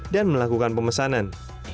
dan melakukan pemesanan